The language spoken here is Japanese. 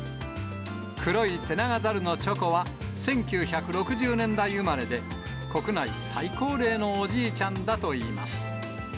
黒いテナガザルのチョコは、１９６０年代生まれで、国内最高齢のおじいちゃんだといいます。